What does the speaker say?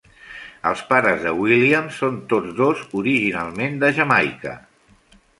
Els pares de Williams són tots dos originalment de Jamaica.